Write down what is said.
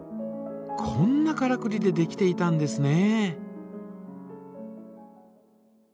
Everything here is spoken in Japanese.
こんなからくりでできていたんですね。